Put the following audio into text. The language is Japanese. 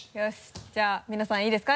じゃあ皆さんいいですか？